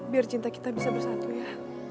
biar cinta kita bisa bersatu ya